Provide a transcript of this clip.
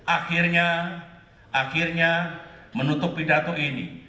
akhirnya menutup pidato ini